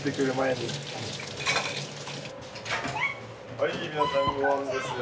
はい皆さんごはんですよ。